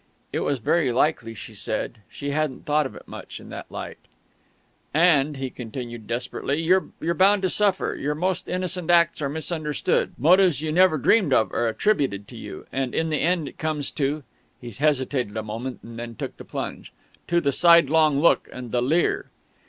It was very likely, she said; she hadn't thought of it much in that light "And," he continued desperately, "you're bound to suffer. Your most innocent acts are misunderstood; motives you never dreamed of are attributed to you; and in the end it comes to " he hesitated a moment and then took the plunge, " to the sidelong look and the leer."